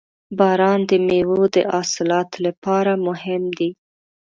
• باران د میوو د حاصلاتو لپاره مهم دی.